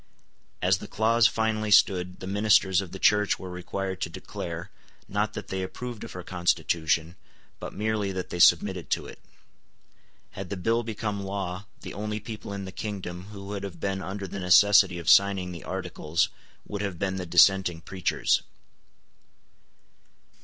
As the clause finally stood, the ministers of the Church were required to declare, not that they approved of her constitution, but merely that they submitted to it. Had the bill become law, the only people in the kingdom who would have been under the necessity of signing the Articles would have been the dissenting preachers.